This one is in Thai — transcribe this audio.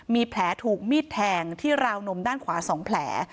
มีแผลถูกมีดแทงที่ราวนมด้านขวา๒แผล